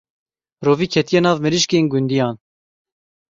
Rovî ketiye nav mirîşkên gundiyan.